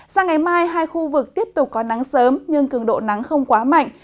sang ngày mai hai khu vực tiếp tục có nắng sớm nhưng cường độ nắng không quá mạnh